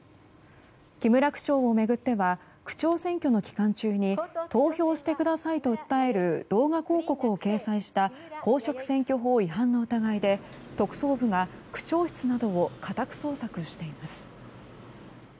木村区長を巡っては区長選挙の期間中に投票してくださいと訴える動画広告を掲載した公職選挙法違反の疑いで特捜部が区長室などを家宅捜索しています。